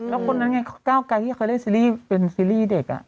แล้วคนนั้นไงก้าวไกรที่เขาเล่นซีรีส์เป็นซีรีส์เด็ก